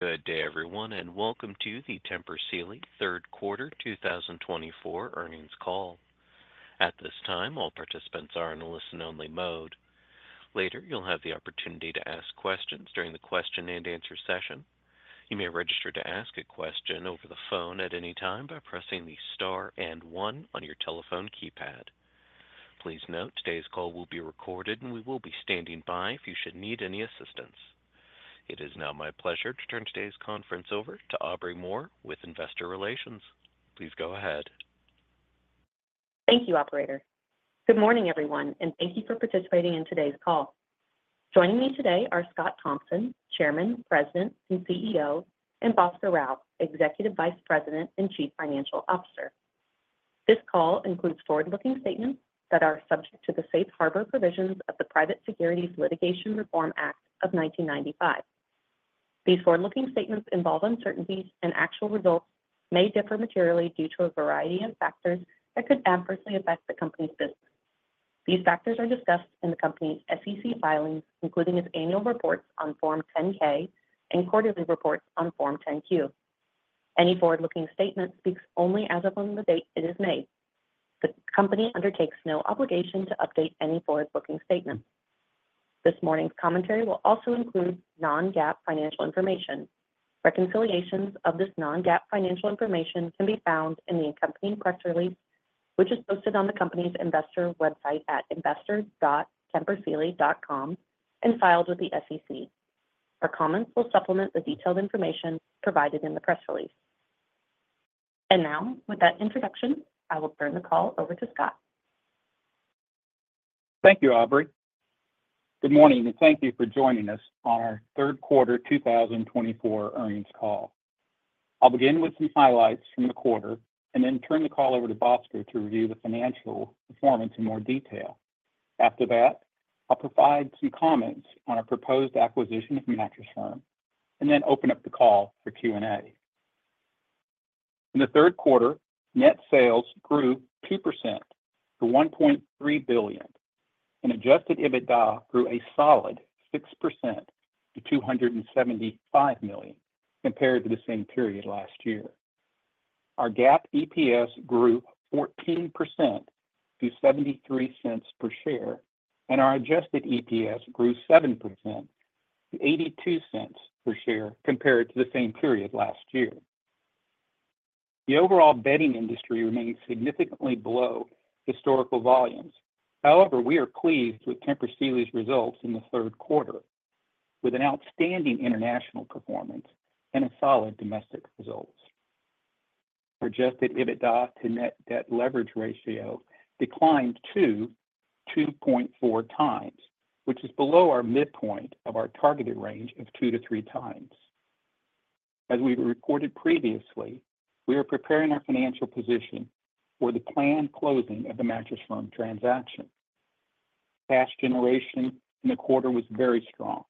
Good day, everyone, and welcome to the Tempur Sealy Third Quarter 2024 Earnings Call. At this time, all participants are in a listen-only mode. Later, you'll have the opportunity to ask questions during the question-and-answer session. You may register to ask a question over the phone at any time by pressing the star and 1 on your telephone keypad. Please note today's call will be recorded, and we will be standing by if you should need any assistance. It is now my pleasure to turn today's conference over to Aubrey Moore with Investor Relations. Please go ahead. Thank you, Operator. Good morning, everyone, and thank you for participating in today's call. Joining me today are Scott Thompson, Chairman, President, and CEO, and Bhaskar Rao, Executive Vice President and Chief Financial Officer. This call includes forward-looking statements that are subject to the safe harbor provisions of the Private Securities Litigation Reform Act of 1995. These forward-looking statements involve uncertainties, and actual results may differ materially due to a variety of factors that could adversely affect the company's business. These factors are discussed in the company's SEC filings, including its annual reports on Form 10-K and quarterly reports on Form 10-Q. Any forward-looking statement speaks only as of the date it is made. The company undertakes no obligation to update any forward-looking statements. This morning's commentary will also include non-GAAP financial information. Reconciliations of this non-GAAP financial information can be found in the accompanying press release, which is posted on the company's Investor website at investors.tempursealy.com and filed with the SEC. Our comments will supplement the detailed information provided in the press release. And now, with that introduction, I will turn the call over to Scott. Thank you, Aubrey. Good morning, and thank you for joining us on our third quarter 2024 earnings call. I'll begin with some highlights from the quarter and then turn the call over to Bhaskar to review the financial performance in more detail. After that, I'll provide some comments on our proposed acquisition of Mattress Firm and then open up the call for Q&A. In the third quarter, net sales grew 2% to $1.3 billion, and adjusted EBITDA grew a solid 6% to $275 million compared to the same period last year. Our GAAP EPS grew 14% to $0.73 per share, and our adjusted EPS grew 7% to $0.82 per share compared to the same period last year. The overall bedding industry remains significantly below historical volumes. However, we are pleased with Tempur Sealy's results in the third quarter, with an outstanding international performance and a solid domestic result. Our Adjusted EBITDA to net debt leverage ratio declined to 2.4 times, which is below our midpoint of our targeted range of 2-3 times. As we reported previously, we are preparing our financial position for the planned closing of the Mattress Firm transaction. Cash generation in the quarter was very strong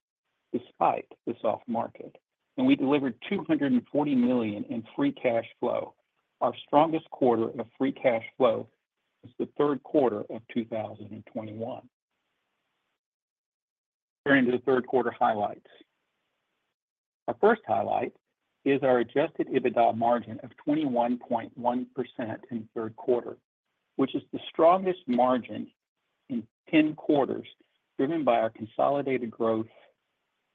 despite the soft market, and we delivered $240 million in free cash flow. Our strongest quarter of free cash flow was the third quarter of 2021. Turning to the third quarter highlights. Our first highlight is our Adjusted EBITDA margin of 21.1% in the third quarter, which is the strongest margin in 10 quarters driven by our consolidated growth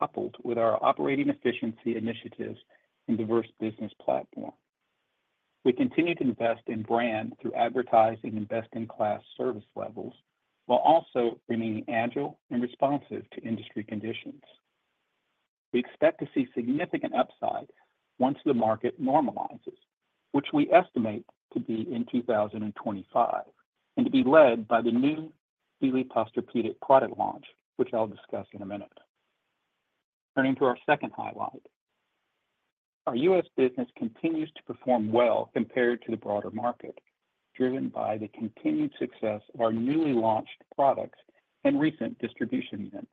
coupled with our operating efficiency initiatives and diverse business platform. We continue to invest in brand through advertising and best-in-class service levels while also remaining agile and responsive to industry conditions. We expect to see significant upside once the market normalizes, which we estimate to be in 2025 and to be led by the new Sealy Posturepedic product launch, which I'll discuss in a minute. Turning to our second highlight. Our U.S. business continues to perform well compared to the broader market, driven by the continued success of our newly launched products and recent distribution events.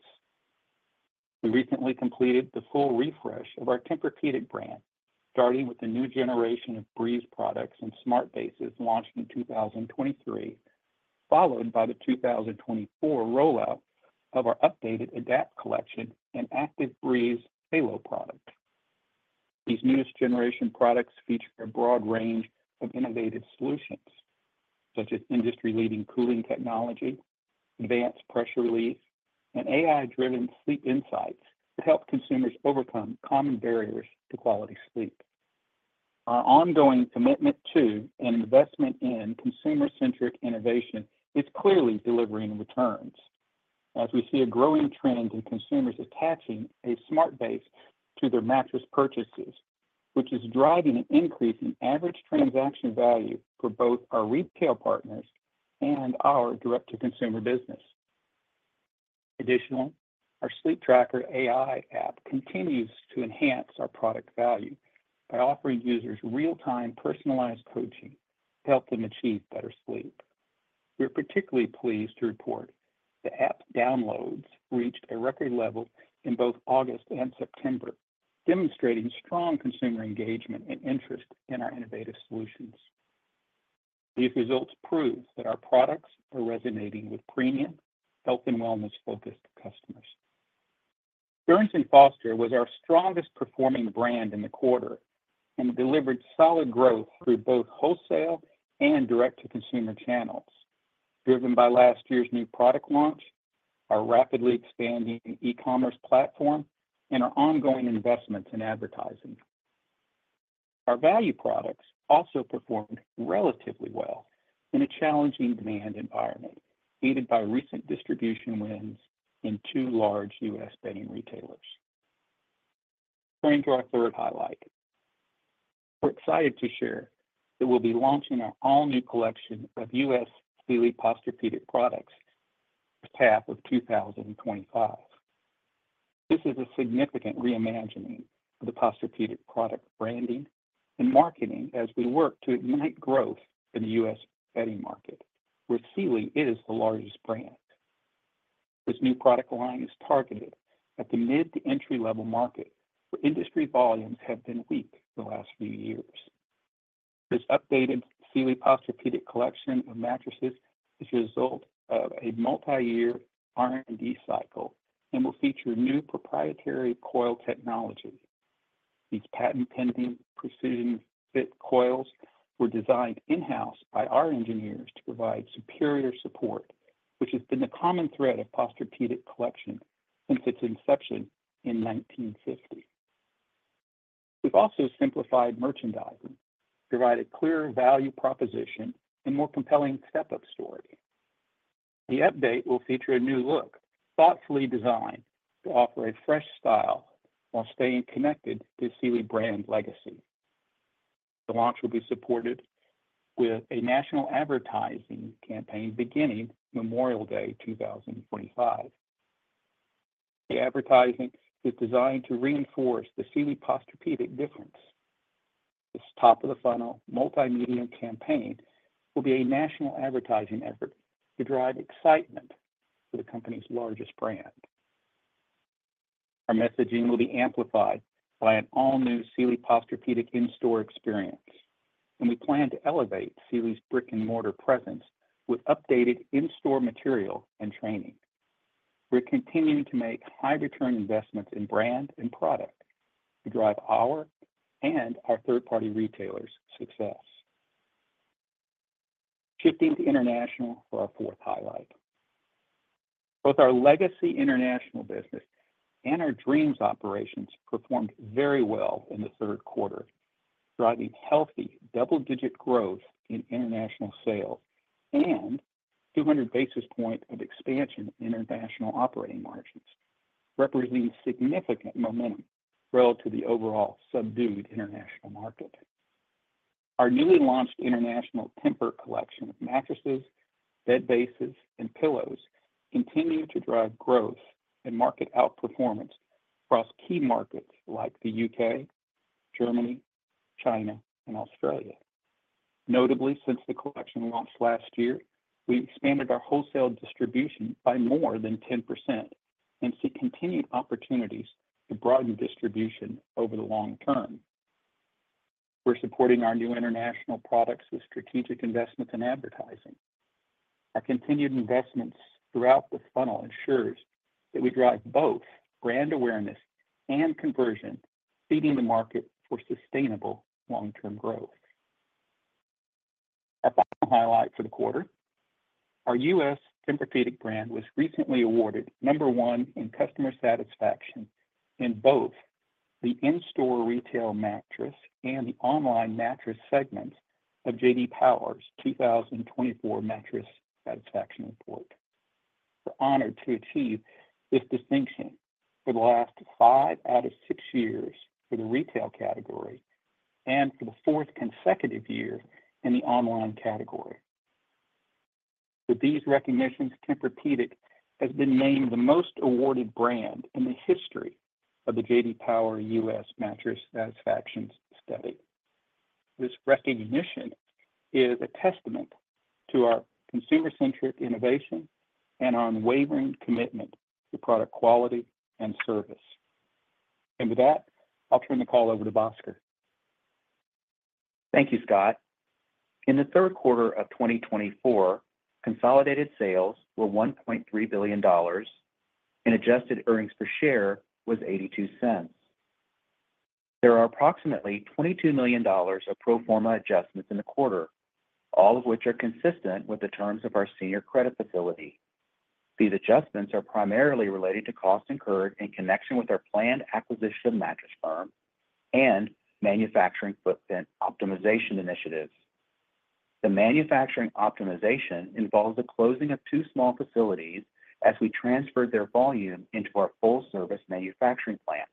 We recently completed the full refresh of our Tempur-Pedic brand, starting with the new generation of Breeze products and smart bases launched in 2023, followed by the 2024 rollout of our updated Adapt collection and ActiveBreeze halo product. These newest generation products feature a broad range of innovative solutions, such as industry-leading cooling technology, advanced pressure relief, and AI-driven sleep insights to help consumers overcome common barriers to quality sleep. Our ongoing commitment to and investment in consumer-centric innovation is clearly delivering returns as we see a growing trend in consumers attaching a Smart Base to their mattress purchases, which is driving an increase in average transaction value for both our retail partners and our direct-to-consumer business. Additionally, our Sleeptracker-AI app continues to enhance our product value by offering users real-time personalized coaching to help them achieve better sleep. We are particularly pleased to report the app downloads reached a record level in both August and September, demonstrating strong consumer engagement and interest in our innovative solutions. These results prove that our products are resonating with premium, health, and wellness-focused customers. Stearns & Foster was our strongest-performing brand in the quarter and delivered solid growth through both wholesale and direct-to-consumer channels, driven by last year's new product launch, our rapidly expanding e-commerce platform, and our ongoing investments in advertising. Our value products also performed relatively well in a challenging demand environment, aided by recent distribution wins in two large U.S. bedding retailers. Turning to our third highlight. We're excited to share that we'll be launching our all-new collection of U.S. Sealy Posturepedic products for top of 2025. This is a significant reimagining of the Posturepedic product branding and marketing as we work to ignite growth in the U.S. bedding market, where Sealy is the largest brand. This new product line is targeted at the mid-to-entry-level market where industry volumes have been weak the last few years. This updated Sealy Posturepedic collection of mattresses is a result of a multi-year R&D cycle and will feature new proprietary coil technology. These patent-pending Precision-Fit Coils were designed in-house by our engineers to provide superior support, which has been the common thread of Posturepedic collection since its inception in 1950. We've also simplified merchandising, provided clearer value proposition, and a more compelling step-up story. The update will feature a new look thoughtfully designed to offer a fresh style while staying connected to the Sealy brand legacy. The launch will be supported with a national advertising campaign beginning Memorial Day 2025. The advertising is designed to reinforce the Sealy Posturepedic difference. This top-of-the-funnel multimedia campaign will be a national advertising effort to drive excitement for the company's largest brand. Our messaging will be amplified by an all-new Sealy Posturepedic in-store experience, and we plan to elevate Sealy's brick-and-mortar presence with updated in-store material and training. We're continuing to make high-return investments in brand and product to drive our and our third-party retailers' success. Shifting to international for our fourth highlight. Both our legacy international business and our Dreams operations performed very well in the third quarter, driving healthy double-digit growth in international sales and 200 basis points of expansion in international operating margins, representing significant momentum relative to the overall subdued international market. Our newly launched international Tempur collection of mattresses, bed bases, and pillows continues to drive growth and market outperformance across key markets like the U.K., Germany, China, and Australia. Notably, since the collection launched last year, we expanded our wholesale distribution by more than 10% and see continued opportunities to broaden distribution over the long term. We're supporting our new international products with strategic investments in advertising. Our continued investments throughout the funnel ensure that we drive both brand awareness and conversion, feeding the market for sustainable long-term growth. Our final highlight for the quarter. Our U.S. Tempur-Pedic brand was recently awarded number one in customer satisfaction in both the in-store retail mattress and the online mattress segments of J.D. Power's 2024 mattress satisfaction report. We're honored to achieve this distinction for the last five out of six years for the retail category and for the fourth consecutive year in the online category. With these recognitions, Tempur-Pedic has been named the most awarded brand in the history of the J.D. Power U.S. mattress satisfaction study. This recognition is a testament to our consumer-centric innovation and our unwavering commitment to product quality and service, and with that, I'll turn the call over to Bhaskar. Thank you, Scott. In the third quarter of 2024, consolidated sales were $1.3 billion, and adjusted earnings per share was $0.82. There are approximately $22 million of pro forma adjustments in the quarter, all of which are consistent with the terms of our senior credit facility. These adjustments are primarily related to costs incurred in connection with our planned acquisition of Mattress Firm and manufacturing footprint optimization initiatives. The manufacturing optimization involves the closing of two small facilities as we transferred their volume into our full-service manufacturing plant.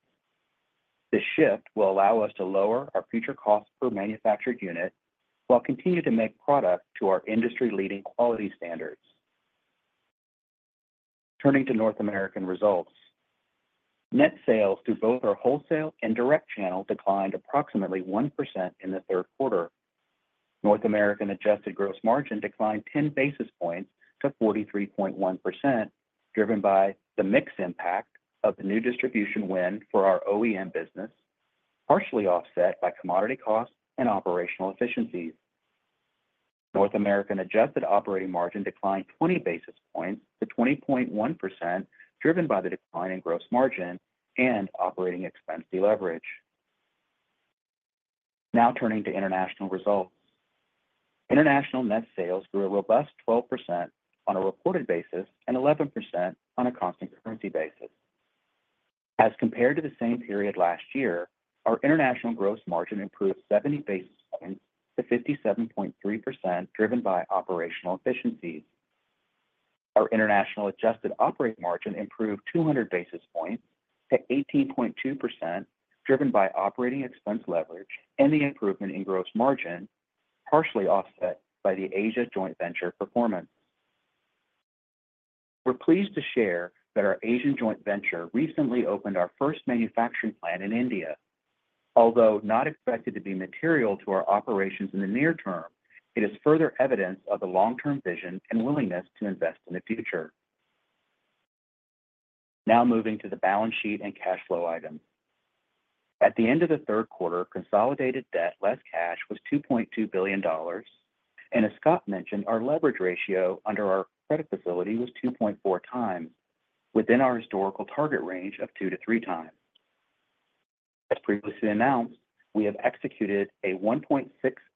This shift will allow us to lower our future costs per manufactured unit while continuing to make product to our industry-leading quality standards. Turning to North America results. Net sales through both our wholesale and direct channel declined approximately 1% in the third quarter. North American adjusted gross margin declined 10 basis points to 43.1%, driven by the mixed impact of the new distribution win for our OEM business, partially offset by commodity costs and operational efficiencies. North American adjusted operating margin declined 20 basis points to 20.1%, driven by the decline in gross margin and operating expense deleverage. Now turning to international results. International net sales grew a robust 12% on a reported basis and 11% on a constant currency basis. As compared to the same period last year, our international gross margin improved 70 basis points to 57.3%, driven by operational efficiencies. Our international adjusted operating margin improved 200 basis points to 18.2%, driven by operating expense leverage and the improvement in gross margin, partially offset by the Asia joint venture performance. We're pleased to share that our Asian joint venture recently opened our first manufacturing plant in India. Although not expected to be material to our operations in the near term, it is further evidence of the long-term vision and willingness to invest in the future. Now moving to the balance sheet and cash flow items. At the end of the third quarter, consolidated debt less cash was $2.2 billion, and as Scott mentioned, our leverage ratio under our credit facility was 2.4 times, within our historical target range of 2-3 times. As previously announced, we have executed a $1.6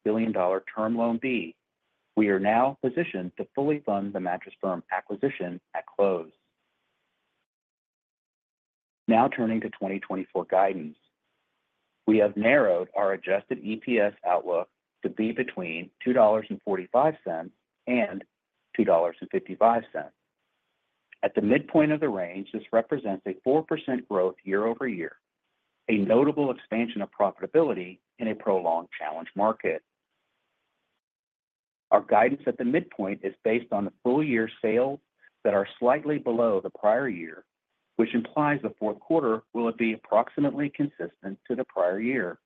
billion Term Loan B. We are now positioned to fully fund the Mattress Firm acquisition at close. Now turning to 2024 guidance. We have narrowed our Adjusted EPS outlook to be between $2.45 and $2.55. At the midpoint of the range, this represents a 4% growth year-over-year, a notable expansion of profitability in a prolonged challenging market. Our guidance at the midpoint is based on the full year sales that are slightly below the prior year, which implies the fourth quarter will be approximately consistent to the prior year.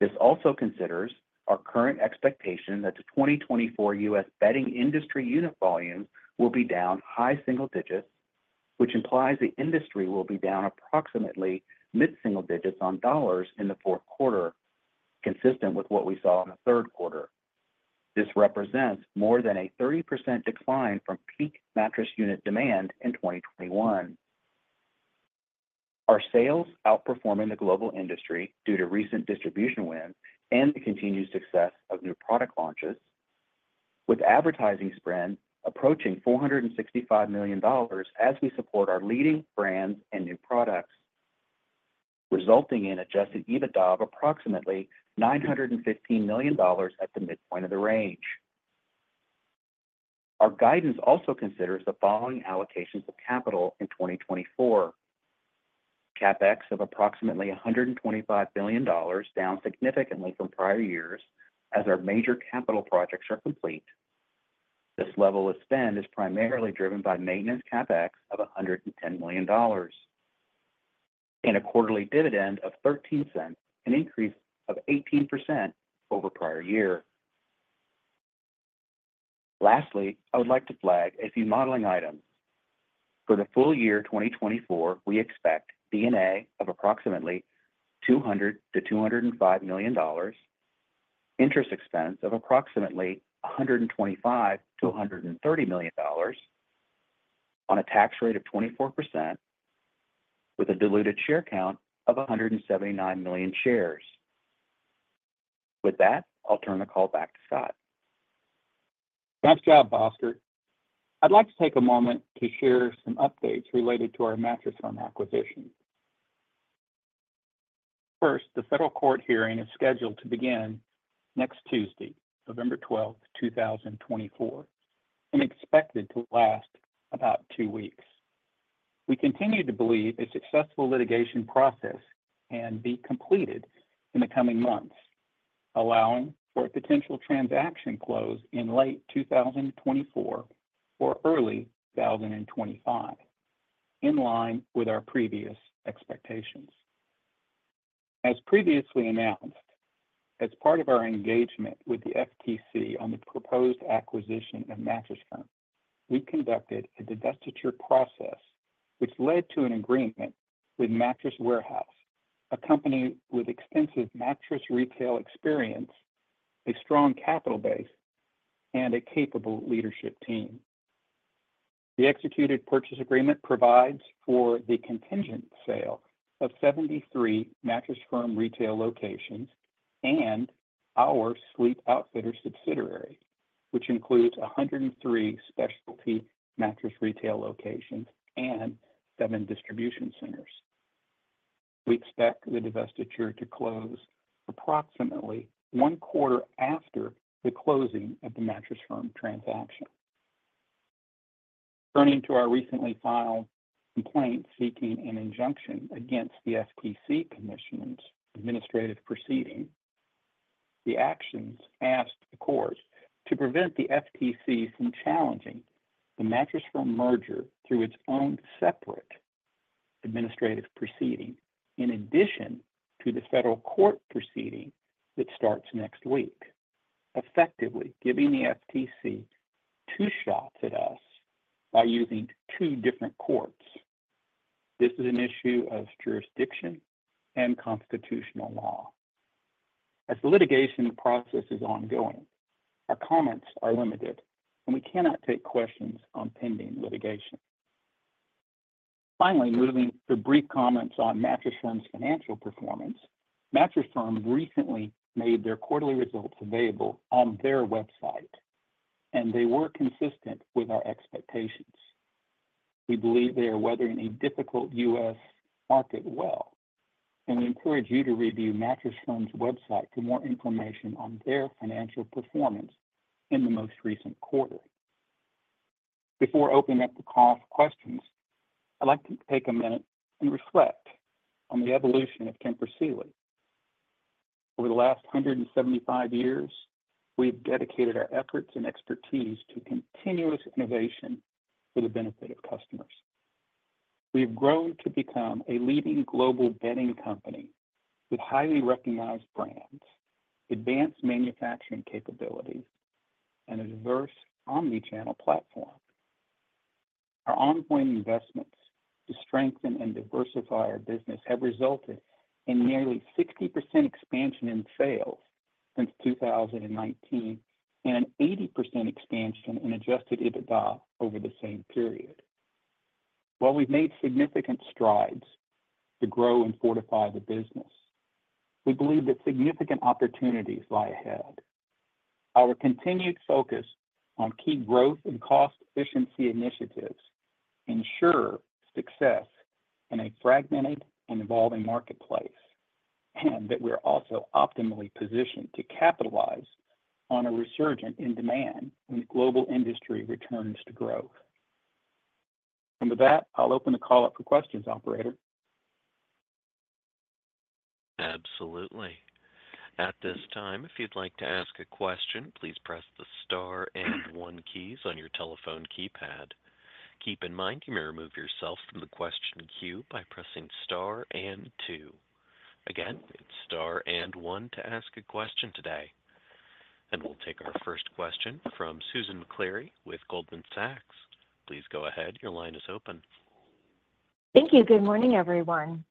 This also considers our current expectation that the 2024 U.S. bedding industry unit volumes will be down high single digits, which implies the industry will be down approximately mid-single digits on dollars in the fourth quarter, consistent with what we saw in the third quarter. This represents more than a 30% decline from peak mattress unit demand in 2021. Our sales outperforming the global industry due to recent distribution wins and the continued success of new product launches, with advertising spend approaching $465 million as we support our leading brands and new products, resulting in adjusted EBITDA of approximately $915 million at the midpoint of the range. Our guidance also considers the following allocations of capital in 2024: CapEx of approximately $125 million, down significantly from prior years as our major capital projects are complete. This level of spend is primarily driven by maintenance CapEx of $110 million and a quarterly dividend of $0.13, an increase of 18% over prior year. Lastly, I would like to flag a few modeling items. For the full year 2024, we expect D&A of approximately $200 million-$205 million, interest expense of approximately $125 million-$130 million, on a tax rate of 24%, with a diluted share count of 179 million shares. With that, I'll turn the call back to Scott. Nice job, Bhaskar. I'd like to take a moment to share some updates related to our Mattress Firm acquisition. First, the federal court hearing is scheduled to begin next Tuesday, November 12, 2024, and expected to last about two weeks. We continue to believe a successful litigation process can be completed in the coming months, allowing for a potential transaction close in late 2024 or early 2025, in line with our previous expectations. As previously announced, as part of our engagement with the FTC on the proposed acquisition of Mattress Firm, we conducted a divestiture process, which led to an agreement with Mattress Warehouse, a company with extensive mattress retail experience, a strong capital base, and a capable leadership team. The executed purchase agreement provides for the contingent sale of 73 Mattress Firm retail locations and our Sleep Outfitters subsidiary, which includes 103 specialty mattress retail locations and seven distribution centers. We expect the divestiture to close approximately one quarter after the closing of the Mattress Firm transaction. Turning to our recently filed complaint seeking an injunction against the FTC Commission's administrative proceeding, the actions ask the court to prevent the FTC from challenging the Mattress Firm merger through its own separate administrative proceeding, in addition to the federal court proceeding that starts next week, effectively giving the FTC two shots at us by using two different courts. This is an issue of jurisdiction and constitutional law. As the litigation process is ongoing, our comments are limited, and we cannot take questions on pending litigation. Finally, moving to brief comments on Mattress Firm's financial performance, Mattress Firm recently made their quarterly results available on their website, and they were consistent with our expectations. We believe they are weathering a difficult U.S. market well, and we encourage you to review Mattress Firm's website for more information on their financial performance in the most recent quarter. Before opening up the call for questions, I'd like to take a minute and reflect on the evolution of Tempur Sealy. Over the last 175 years, we have dedicated our efforts and expertise to continuous innovation for the benefit of customers. We have grown to become a leading global bedding company with highly recognized brands, advanced manufacturing capabilities, and a diverse omnichannel platform. Our ongoing investments to strengthen and diversify our business have resulted in nearly 60% expansion in sales since 2019 and an 80% expansion in Adjusted EBITDA over the same period. While we've made significant strides to grow and fortify the business, we believe that significant opportunities lie ahead. Our continued focus on key growth and cost efficiency initiatives ensures success in a fragmented and evolving marketplace, and that we are also optimally positioned to capitalize on a resurgence in demand when the global industry returns to growth. And with that, I'll open the call up for questions, Operator. Absolutely. At this time, if you'd like to ask a question, please press the star and one keys on your telephone keypad. Keep in mind you may remove yourself from the question queue by pressing star and two. Again, it's star and one to ask a question today. And we'll take our first question from Susan Maklari with Goldman Sachs. Please go ahead. Your line is open. Thank you. Good morning, everyone.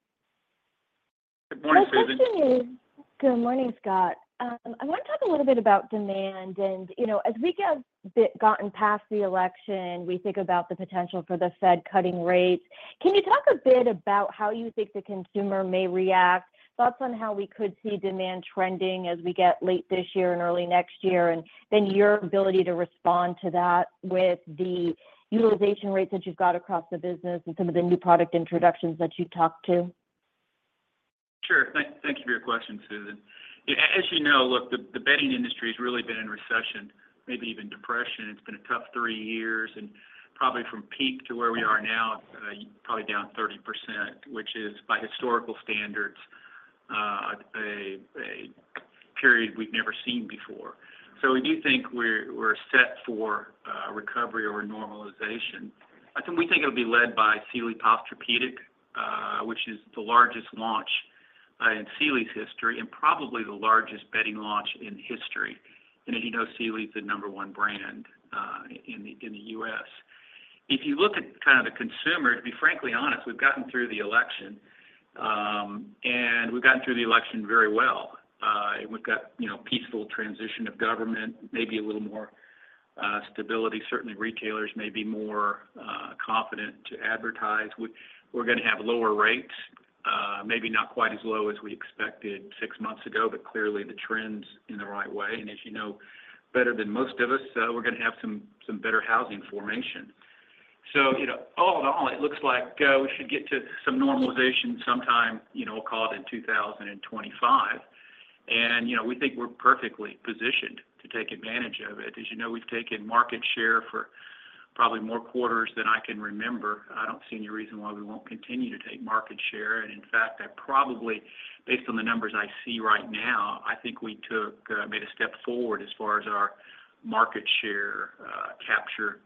Good morning, Susan. My question is, good morning, Scott. I want to talk a little bit about demand, and as we have gotten past the election, we think about the potential for the Fed cutting rates. Can you talk a bit about how you think the consumer may react? Thoughts on how we could see demand trending as we get late this year and early next year, and then your ability to respond to that with the utilization rates that you've got across the business and some of the new product introductions that you talked to? Sure. Thank you for your question, Susan. As you know, look, the bedding industry has really been in recession, maybe even depression. It's been a tough three years. And probably from peak to where we are now, probably down 30%, which is, by historical standards, a period we've never seen before. So we do think we're set for recovery or normalization. I think we think it'll be led by Sealy Posturepedic, which is the largest launch in Sealy's history and probably the largest bedding launch in history. And as you know, Sealy is the number one brand in the U.S. If you look at kind of the consumer, to be frankly honest, we've gotten through the election, and we've gotten through the election very well. We've got peaceful transition of government, maybe a little more stability. Certainly, retailers may be more confident to advertise. We're going to have lower rates, maybe not quite as low as we expected six months ago, but clearly the trend's in the right way. And as you know, better than most of us, we're going to have some better housing formation. So all in all, it looks like we should get to some normalization sometime, I'll call it in 2025. And we think we're perfectly positioned to take advantage of it. As you know, we've taken market share for probably more quarters than I can remember. I don't see any reason why we won't continue to take market share. And in fact, I probably, based on the numbers I see right now, I think we made a step forward as far as our market share capture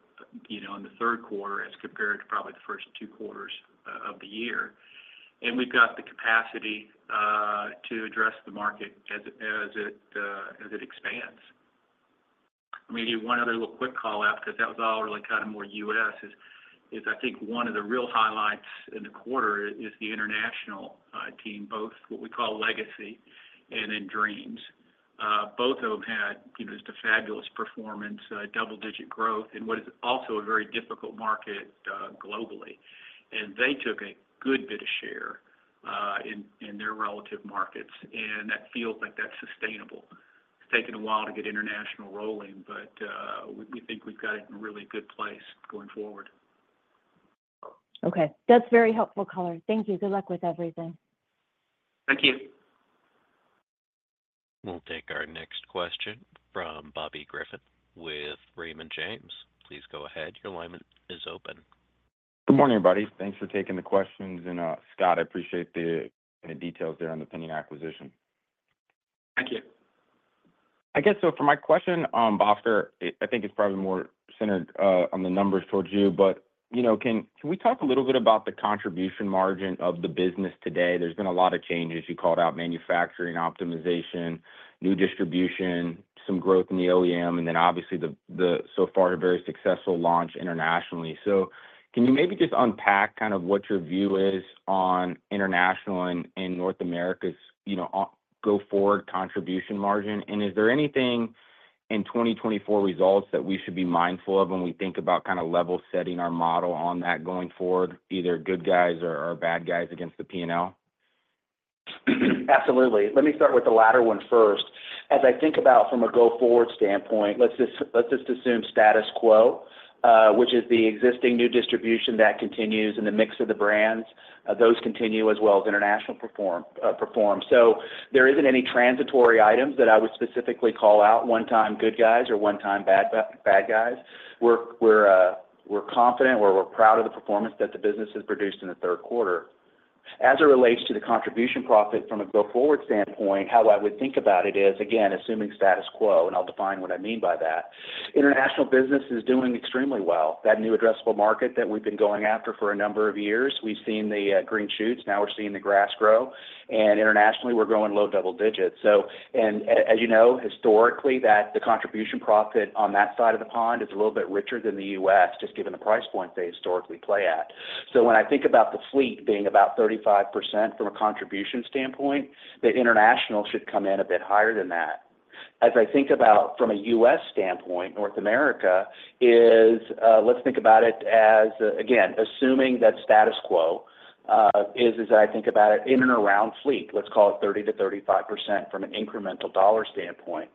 in the third quarter as compared to probably the first two quarters of the year. We've got the capacity to address the market as it expands. Let me do one other little quick call out because that was all really kind of more U.S. is I think one of the real highlights in the quarter is the international team, both what we call legacy and then Dreams. Both of them had just a fabulous performance, double-digit growth, and what is also a very difficult market globally. They took a good bit of share in their relative markets. That feels like that's sustainable. It's taken a while to get international rolling, but we think we've got it in a really good place going forward. Okay. That's very helpful, caller. Thank you. Good luck with everything. Thank you. We'll take our next question from Bobby Griffin with Raymond James. Please go ahead. Your line is open. Good morning, everybody. Thanks for taking the questions. And Scott, I appreciate the details there on the pending acquisition. Thank you. I guess so for my question, Bhaskar. I think it's probably more centered on the numbers towards you. But can we talk a little bit about the contribution margin of the business today? There's been a lot of changes. You called out manufacturing optimization, new distribution, some growth in the OEM, and then obviously, so far, a very successful launch internationally. So can you maybe just unpack kind of what your view is on international and North America's go forward contribution margin? And is there anything in 2024 results that we should be mindful of when we think about kind of level setting our model on that going forward, either good guys or bad guys against the P&L? Absolutely. Let me start with the latter one first. As I think about from a go forward standpoint, let's just assume status quo, which is the existing new distribution that continues in the mix of the brands. Those continue as well as international perform. So there isn't any transitory items that I would specifically call out one-time good guys or one-time bad guys. We're confident or we're proud of the performance that the business has produced in the third quarter. As it relates to the contribution profit from a go forward standpoint, how I would think about it is, again, assuming status quo, and I'll define what I mean by that. International business is doing extremely well. That new addressable market that we've been going after for a number of years, we've seen the green shoots. Now we're seeing the grass grow. And internationally, we're growing low double digits. As you know, historically, the contribution profit on that side of the pond is a little bit richer than the U.S., just given the price point they historically play at. So when I think about the fleet being about 35% from a contribution standpoint, the international should come in a bit higher than that. As I think about from a U.S. standpoint, North America is, let's think about it as, again, assuming that status quo is, as I think about it, in and around fleet, let's call it 30%-35% from an incremental dollar standpoint.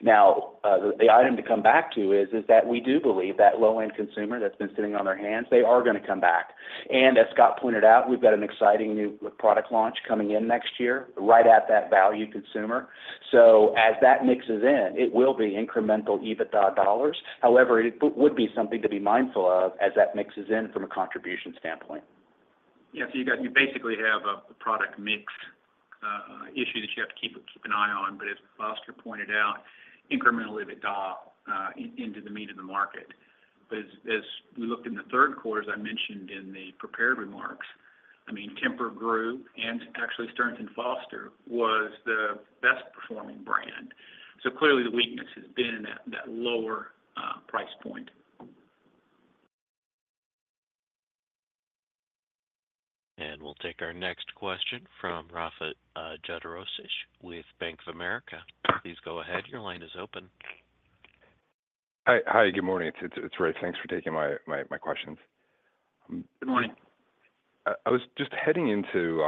Now, the item to come back to is that we do believe that low-end consumer that's been sitting on their hands, they are going to come back. As Scott pointed out, we've got an exciting new product launch coming in next year, right at that value consumer. As that mixes in, it will be incremental EBITDA dollars. However, it would be something to be mindful of as that mixes in from a contribution standpoint. Yeah. So you basically have a product mix issue that you have to keep an eye on. But as Bhaskar pointed out, incremental EBITDA into the meat of the market. But as we looked in the third quarter, as I mentioned in the prepared remarks, I mean, Tempur grew, and actually, Stearns & Foster was the best-performing brand. So clearly, the weakness has been in that lower price point. We'll take our next question from Rafe Jadrosich with Bank of America. Please go ahead. Your line is open. Hi. Good morning. It's Rafe. Thanks for taking my questions. Good morning. I was just heading into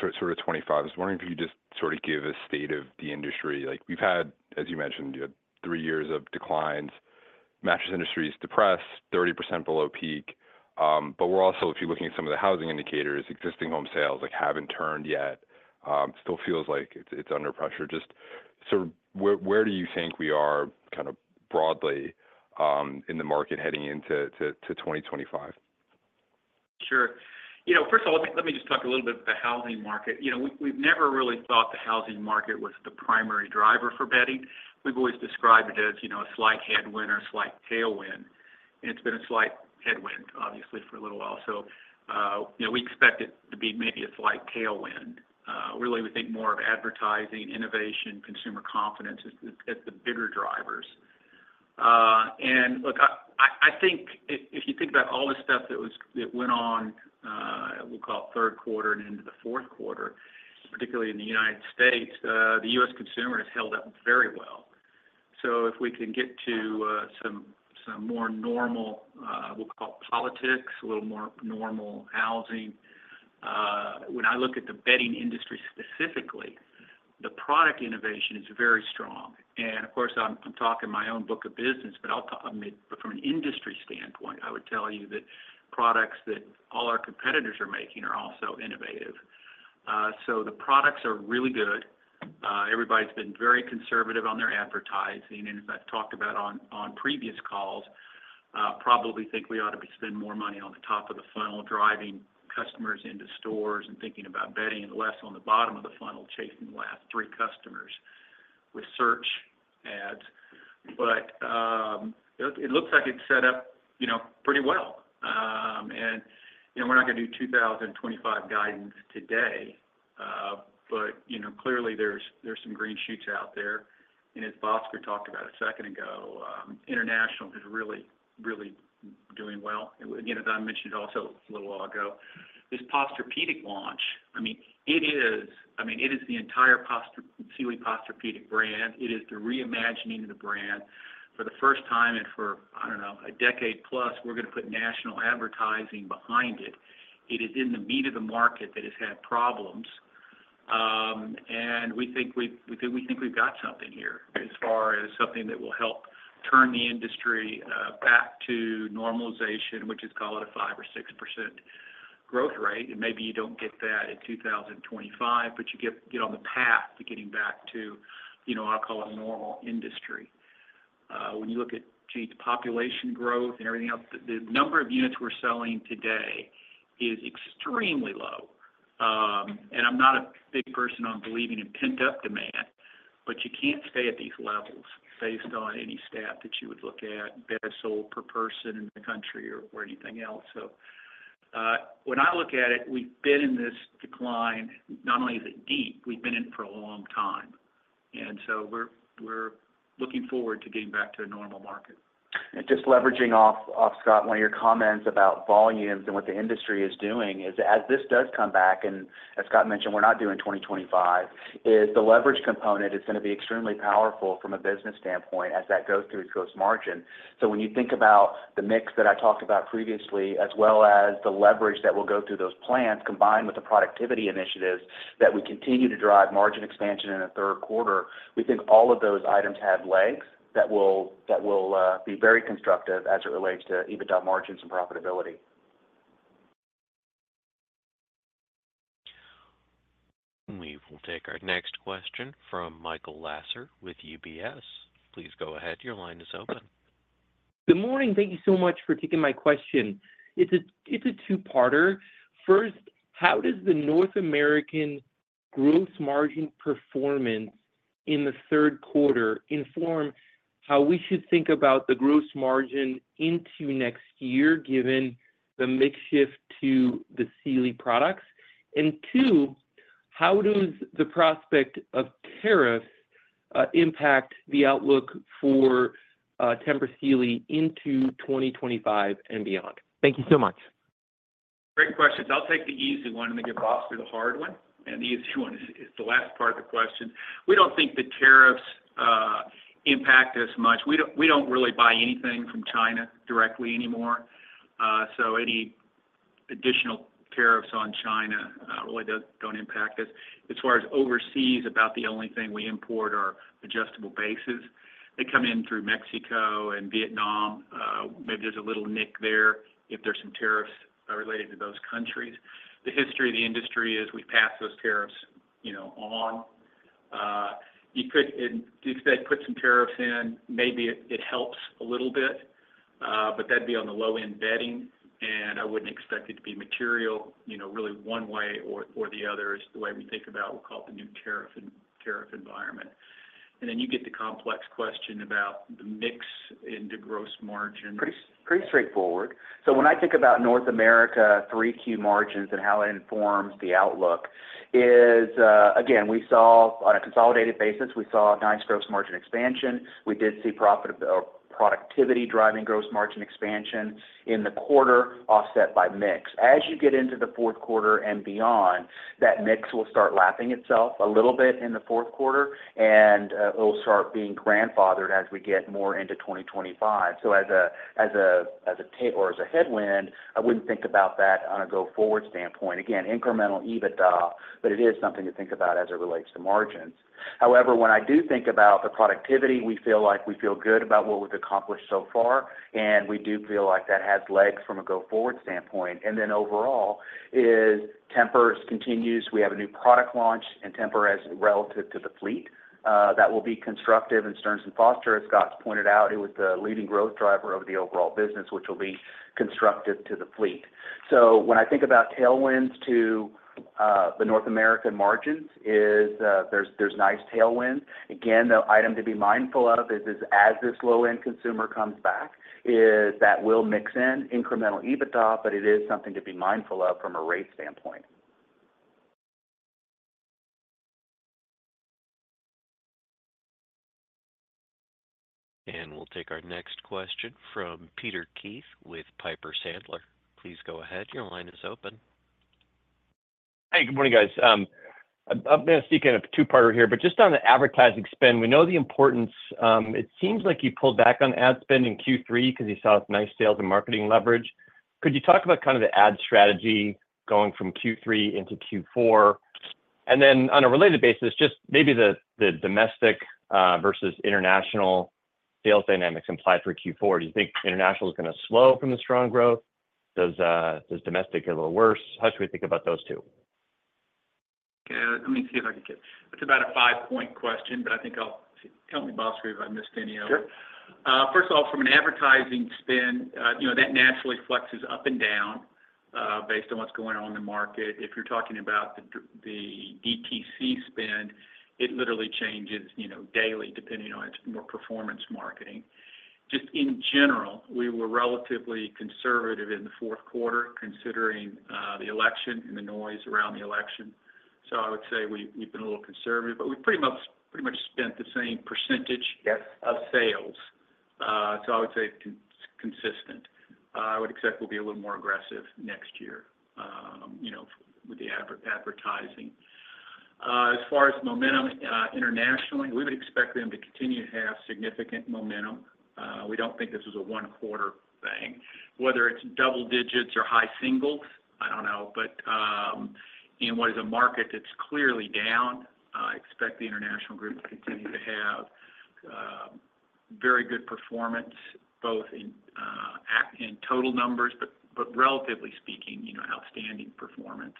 sort of 2025. I was wondering if you could just sort of give a state of the industry. We've had, as you mentioned, three years of declines. Mattress industry depressed, 30% below peak. But we're also, if you're looking at some of the housing indicators, existing home sales haven't turned yet. Still feels like it's under pressure. Just sort of where do you think we are kind of broadly in the market heading into 2025? Sure. First of all, let me just talk a little bit about the housing market. We've never really thought the housing market was the primary driver for bedding. We've always described it as a slight headwind or a slight tailwind, and it's been a slight headwind, obviously, for a little while. So we expect it to be maybe a slight tailwind. Really, we think more of advertising, innovation, consumer confidence as the bigger drivers, and look, I think if you think about all the stuff that went on, we'll call it third quarter and into the fourth quarter, particularly in the United States, the U.S. consumer has held up very well. So if we can get to some more normal, we'll call it politics, a little more normal housing. When I look at the bedding industry specifically, the product innovation is very strong. And of course, I'm talking my own book of business, but from an industry standpoint, I would tell you that products that all our competitors are making are also innovative. So the products are really good. Everybody's been very conservative on their advertising. And as I've talked about on previous calls, probably think we ought to spend more money on the top of the funnel, driving customers into stores and thinking about betting and less on the bottom of the funnel, chasing the last three customers with search ads. But it looks like it's set up pretty well. And we're not going to do 2025 guidance today, but clearly, there's some green shoots out there. And as Bhaskar talked about a second ago, international is really, really doing well. Again, as I mentioned also a little while ago, this Posturepedic launch, I mean, it is, I mean, it is the entire Sealy Posturepedic brand. It is the reimagining of the brand. For the first time in, I don't know, a decade plus, we're going to put national advertising behind it. It is in the meat of the market that has had problems. And we think we've got something here as far as something that will help turn the industry back to normalization, which is, call it a 5% or 6% growth rate. And maybe you don't get that in 2025, but you get on the path to getting back to, I'll call it a normal industry. When you look at, gee, the population growth and everything else, the number of units we're selling today is extremely low. I'm not a big person on believing in pent-up demand, but you can't stay at these levels based on any stat that you would look at, beds sold per person in the country or anything else. When I look at it, we've been in this decline. Not only is it deep, we've been in it for a long time. We're looking forward to getting back to a normal market. Just leveraging off, Scott, one of your comments about volumes and what the industry is doing is, as this does come back, and as Scott mentioned, we're not doing 2025, is the leverage component is going to be extremely powerful from a business standpoint as that goes through its gross margin. So when you think about the mix that I talked about previously, as well as the leverage that will go through those plants combined with the productivity initiatives that we continue to drive margin expansion in the third quarter, we think all of those items have legs that will be very constructive as it relates to EBITDA margins and profitability. We will take our next question from Michael Lasser with UBS. Please go ahead. Your line is open. Good morning. Thank you so much for taking my question. It's a two-parter. First, how does the North American gross margin performance in the third quarter inform how we should think about the gross margin into next year, given the makeover to the Sealy products? And two, how does the prospect of tariffs impact the outlook for Tempur Sealy into 2025 and beyond? Thank you so much. Great questions. I'll take the easy one and then give Bhaskar the hard one. And the easy one is the last part of the question. We don't think the tariffs impact us much. We don't really buy anything from China directly anymore. So any additional tariffs on China really don't impact us. As far as overseas, about the only thing we import are adjustable bases. They come in through Mexico and Vietnam. Maybe there's a little nick there if there's some tariffs related to those countries. The history of the industry is we've passed those tariffs on. You could instead put some tariffs in. Maybe it helps a little bit, but that'd be on the low-end bedding. And I wouldn't expect it to be material, really one way or the other, is the way we think about, we'll call it the new tariff environment. And then you get the complex question about the mix into gross margin. Pretty straightforward. So when I think about North America three-Q margins and how it informs the outlook is, again, we saw on a consolidated basis, we saw nice gross margin expansion. We did see productivity driving gross margin expansion in the quarter offset by mix. As you get into the fourth quarter and beyond, that mix will start lapping itself a little bit in the fourth quarter, and it'll start being grandfathered as we get more into 2025. So as a headwind, I wouldn't think about that on a go forward standpoint. Again, incremental EBITDA, but it is something to think about as it relates to margins. However, when I do think about the productivity, we feel good about what we've accomplished so far. And we do feel like that has legs from a go forward standpoint. And then overall, as Tempur continues. We have a new product launch in Tempur, as relative to the fleet that will be constructive in Stearns & Foster. As Scott pointed out, it was the leading growth driver of the overall business, which will be constructive to the fleet. So when I think about tailwinds to the North American margins, there's nice tailwinds. Again, the item to be mindful of is, as this low-end consumer comes back, that will mix in incremental EBITDA, but it is something to be mindful of from a rate standpoint. We'll take our next question from Peter Keith with Piper Sandler. Please go ahead. Your line is open. Hey, good morning, guys. I'm going to speak in a two-parter here, but just on the advertising spend, we know the importance. It seems like you pulled back on ad spend in Q3 because you saw nice sales and marketing leverage. Could you talk about kind of the ad strategy going from Q3 into Q4? And then on a related basis, just maybe the domestic versus international sales dynamics implied for Q4. Do you think international is going to slow from the strong growth? Does domestic get a little worse? How should we think about those two? Yeah. Let me see if I can get it. It's about a five-point question, but I think you'll tell me, Bhaskar, if I missed any of them. First of all, from an advertising spend, that naturally flexes up and down based on what's going on in the market. If you're talking about the DTC spend, it literally changes daily, depending on its performance marketing. Just in general, we were relatively conservative in the fourth quarter, considering the election and the noise around the election. So I would say we've been a little conservative, but we've pretty much spent the same percentage of sales. So I would say it's consistent. I would expect we'll be a little more aggressive next year with the advertising. As far as momentum internationally, we would expect them to continue to have significant momentum. We don't think this is a one-quarter thing. Whether it's double digits or high singles, I don't know. But in what is a market that's clearly down, I expect the international group to continue to have very good performance, both in total numbers, but relatively speaking, outstanding performance.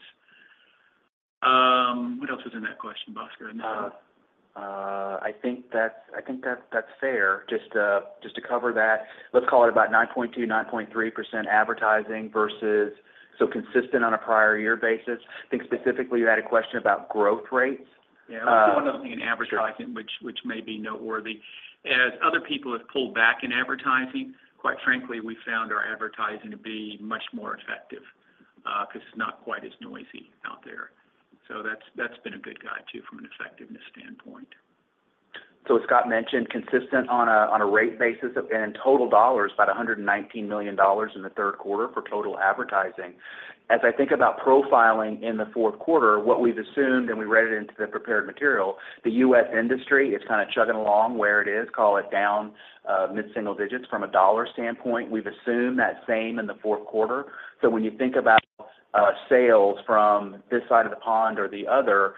What else was in that question, Bhaskar? I think that's fair. Just to cover that, let's call it about 9.2%, 9.3% advertising versus so consistent on a prior year basis. I think specifically you had a question about growth rates. Yeah. I'll say one other thing in advertising, which may be noteworthy. As other people have pulled back in advertising, quite frankly, we found our advertising to be much more effective because it's not quite as noisy out there. So that's been a good guide too from an effectiveness standpoint. So as Scott mentioned, consistent on a rate basis and in total dollars, about $119 million in the third quarter for total advertising. As I think about profiling in the fourth quarter, what we've assumed, and we read it into the prepared material, the U.S. industry is kind of chugging along where it is, call it down mid-single digits from a dollar standpoint. We've assumed that same in the fourth quarter. So when you think about sales from this side of the pond or the other,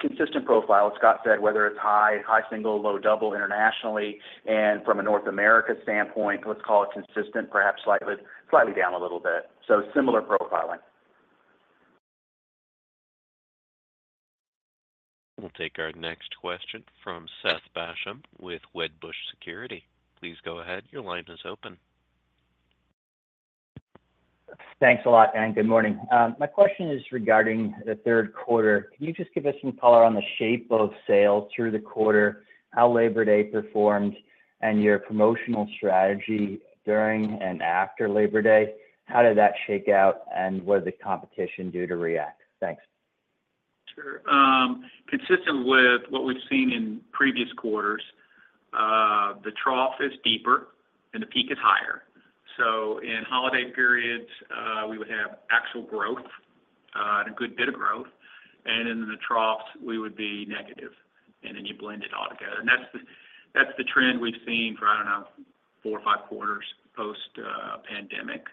consistent profile, as Scott said, whether it's high, high single, low double internationally. And from a North America standpoint, let's call it consistent, perhaps slightly down a little bit. So similar profiling. We'll take our next question from Seth Basham with Wedbush Securities. Please go ahead. Your line is open. Thanks a lot, and good morning. My question is regarding the third quarter. Can you just give us some color on the shape of sales through the quarter, how Labor Day performed, and your promotional strategy during and after Labor Day? How did that shake out, and what did the competition do to react? Thanks. Sure. Consistent with what we've seen in previous quarters, the trough is deeper and the peak is higher. So in holiday periods, we would have actual growth, a good bit of growth. And in the troughs, we would be negative. And then you blend it all together. And that's the trend we've seen for, I don't know, four or five quarters post-pandemic.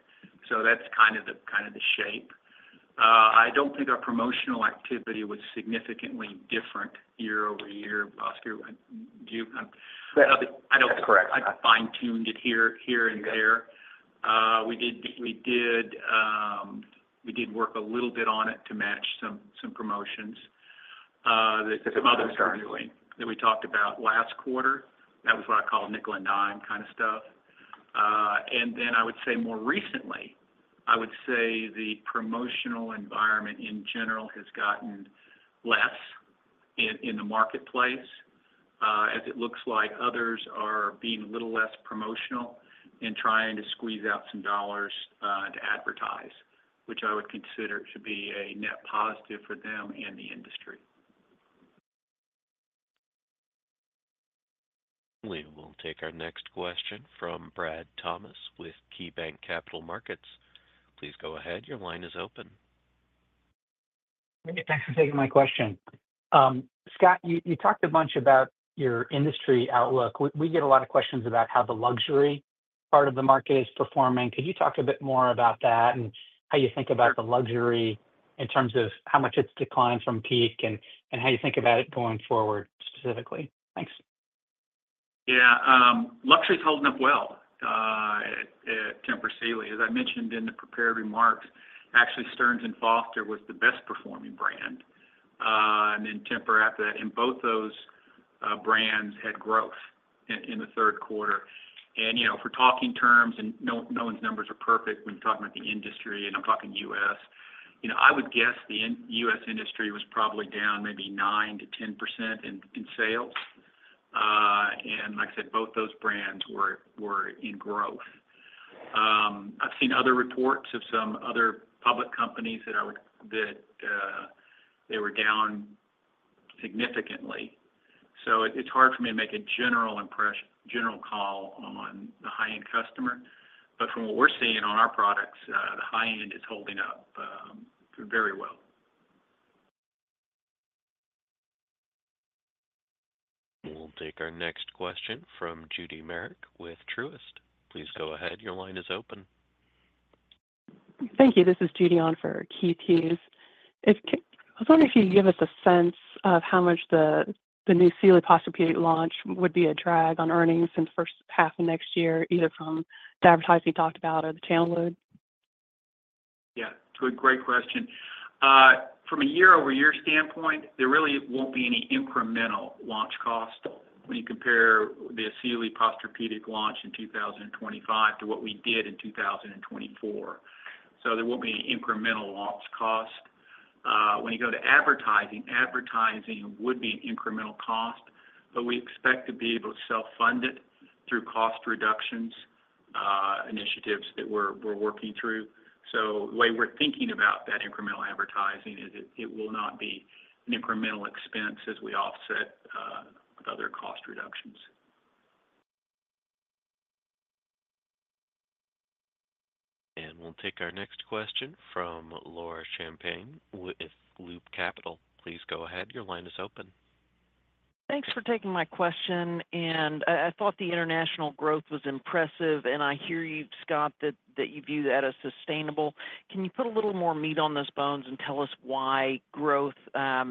So that's kind of the shape. I don't think our promotional activity was significantly different year over year. Bhaskar, do you? That's correct. I fine-tuned it here and there. We did work a little bit on it to match some promotions that some others were doing that we talked about last quarter. That was what I called nickel and dime kind of stuff. I would say more recently, I would say the promotional environment in general has gotten less in the marketplace as it looks like others are being a little less promotional and trying to squeeze out some dollars to advertise, which I would consider to be a net positive for them and the industry. We will take our next question from Brad Thomas with KeyBanc Capital Markets. Please go ahead. Your line is open. Thanks for taking my question. Scott, you talked a bunch about your industry outlook. We get a lot of questions about how the luxury part of the market is performing. Could you talk a bit more about that and how you think about the luxury in terms of how much it's declined from peak and how you think about it going forward specifically? Thanks. Yeah. Luxury's holding up well at Tempur Sealy. As I mentioned in the prepared remarks, actually, Stearns & Foster was the best-performing brand. And then Tempur after that, and both those brands had growth in the third quarter. And for talking terms, and no one's numbers are perfect when you're talking about the industry, and I'm talking U.S. I would guess the U.S. industry was probably down maybe 9%-10% in sales. And like I said, both those brands were in growth. I've seen other reports of some other public companies that they were down significantly. So it's hard for me to make a general call on the high-end customer. But from what we're seeing on our products, the high-end is holding up very well. We'll take our next question from Judy Merrick with Truist. Please go ahead. Your line is open. Thank you. This is Judy on for Keith Hughes. I was wondering if you could give us a sense of how much the new Sealy Posturepedic launch would be a drag on earnings in the first half of next year, either from the advertising talked about or the tailwind? Yeah. It's a great question. From a year-over-year standpoint, there really won't be any incremental launch cost when you compare the Sealy Posturepedic launch in 2025 to what we did in 2024. So there won't be any incremental launch cost. When you go to advertising, advertising would be an incremental cost, but we expect to be able to self-fund it through cost reduction initiatives that we're working through. So the way we're thinking about that incremental advertising is it will not be an incremental expense as we offset with other cost reductions. We'll take our next question from Laura Champine with Loop Capital. Please go ahead. Your line is open. Thanks for taking my question. And I thought the international growth was impressive, and I hear you, Scott, that you view that as sustainable. Can you put a little more meat on those bones and tell us why growth in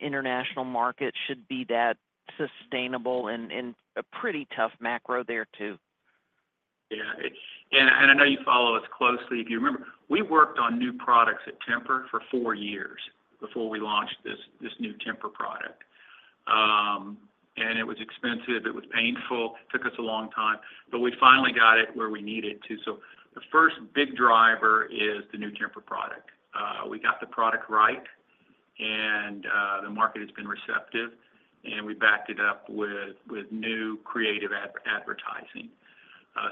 international markets should be that sustainable and a pretty tough macro there too? Yeah. And I know you follow us closely. If you remember, we worked on new products at Tempur for four years before we launched this new Tempur product. And it was expensive. It was painful. It took us a long time. But we finally got it where we needed to. So the first big driver is the new Tempur product. We got the product right, and the market has been receptive. And we backed it up with new creative advertising.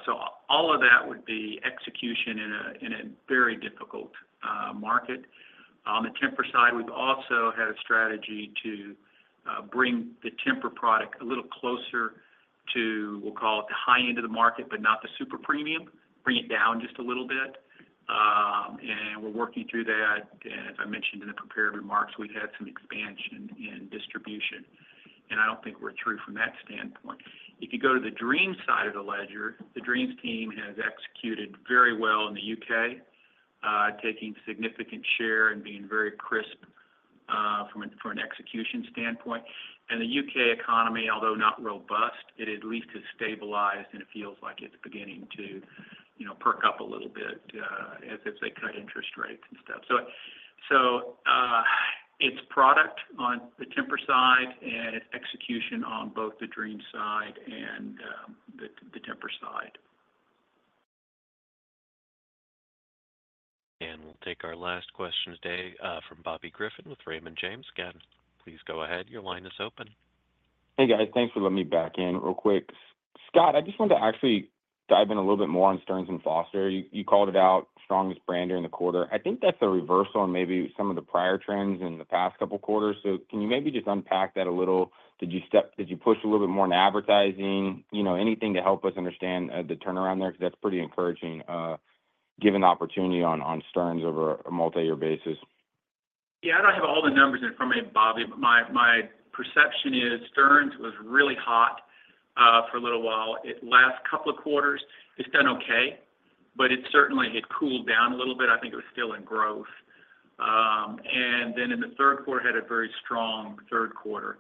So all of that would be execution in a very difficult market. On the Tempur side, we've also had a strategy to bring the Tempur product a little closer to, we'll call it the high end of the market, but not the super premium. Bring it down just a little bit. And we're working through that. And as I mentioned in the prepared remarks, we've had some expansion in distribution. I don't think we're through from that standpoint. If you go to the Dreams side of the ledger, the Dreams team has executed very well in the U.K., taking a significant share and being very crisp from an execution standpoint. The U.K. economy, although not robust, it at least has stabilized, and it feels like it's beginning to perk up a little bit as if they cut interest rates and stuff. It's product on the Tempur side, and it's execution on both the Dreams side and the Tempur side. We'll take our last question today from Bobby Griffin with Raymond James. Please go ahead. Your line is open. Hey, guys. Thanks for letting me back in real quick. Scott, I just want to actually dive in a little bit more on Stearns & Foster. You called it out strongest brand during the quarter. I think that's a reversal on maybe some of the prior trends in the past couple of quarters. So can you maybe just unpack that a little? Did you push a little bit more in advertising? Anything to help us understand the turnaround there? Because that's pretty encouraging given the opportunity on Stearns over a multi-year basis. Yeah. I don't have all the numbers in front of me, Bobby, but my perception is Stearns was really hot for a little while. Last couple of quarters, it's done okay, but it certainly had cooled down a little bit. I think it was still in growth. And then in the third quarter, had a very strong third quarter.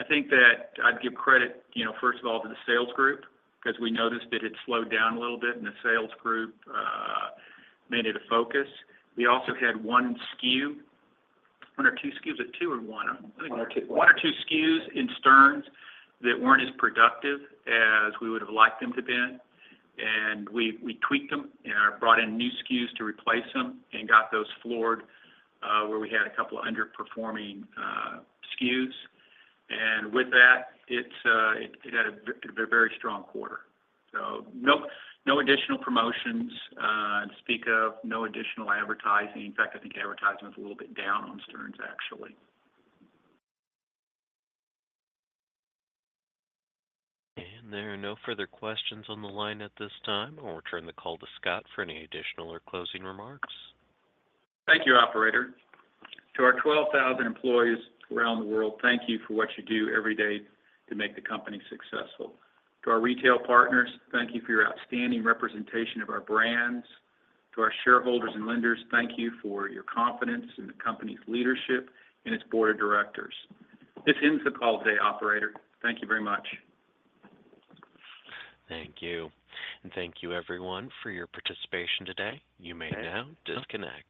I think that I'd give credit, first of all, to the sales group because we noticed that it slowed down a little bit, and the sales group made it a focus. We also had one SKU, one or two SKUs or two or one? I think. One or two. One or two SKUs in Stearns that weren't as productive as we would have liked them to have been, and we tweaked them and brought in new SKUs to replace them and got those floored where we had a couple of underperforming SKUs, and with that, it had a very strong quarter, so no additional promotions to speak of, no additional advertising. In fact, I think advertising was a little bit down on Stearns, actually. There are no further questions on the line at this time. I'll return the call to Scott for any additional or closing remarks. Thank you, Operator. To our 12,000 employees around the world, thank you for what you do every day to make the company successful. To our retail partners, thank you for your outstanding representation of our brands. To our shareholders and lenders, thank you for your confidence in the company's leadership and its board of directors. This ends the call today, Operator. Thank you very much. Thank you. Thank you, everyone, for your participation today. You may now disconnect.